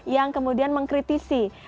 yang kemudian mengkritisi